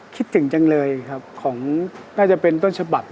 คิดถึงจังเลยครับของน่าจะเป็นต้นฉบับ